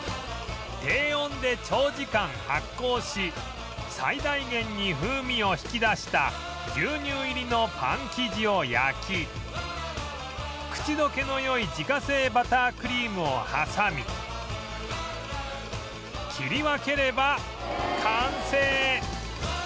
低温で長時間発酵し最大限に風味を引き出した牛乳入りのパン生地を焼き口溶けのよい自家製バタークリームを挟み切り分ければ完成